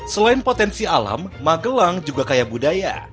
selain potensi alam magelang juga kaya budaya